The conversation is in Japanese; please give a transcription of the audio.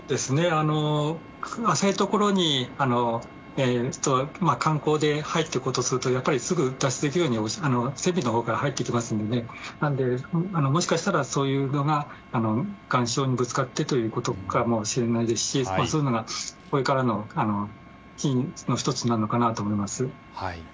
浅いところに観光で入っていこうとするとすぐ脱出できるように船尾のほうから入ってきますからもしかしたらそういう場所が岩礁にぶつかったということかもしれないですしそういうのがこれからのポイントの１つかなと思います。